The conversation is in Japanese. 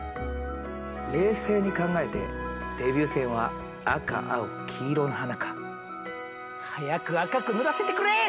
冷静に考えてデビュー戦は赤青黄色の花か。早く赤く塗らせてくれ！